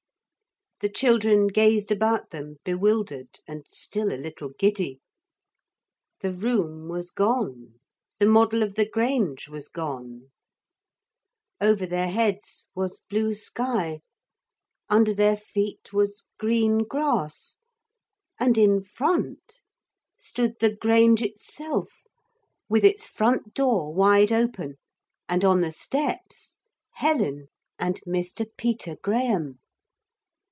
The children gazed about them bewildered and still a little giddy. The room was gone, the model of the Grange was gone. Over their heads was blue sky, under their feet was green grass, and in front stood the Grange itself, with its front door wide open and on the steps Helen and Mr. Peter Graham.